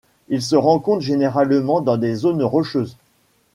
Il se rencontre généralement dans des zones rocheuses.